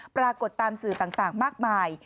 ปรากฏตามสื่อต่างมากมาย